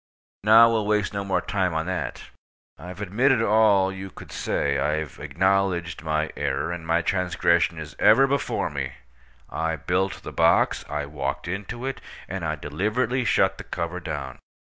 Now, we'll waste no more time on that. I've admitted all you could say. I've acknowledged my error, and my transgression is ever before me. I built the box, I walked into it, and I deliberately shut the cover down.